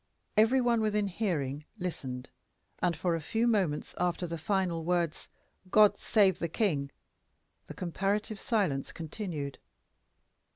Every one within hearing listened, and for a few moments after the final words, "God save the King!" the comparative silence continued.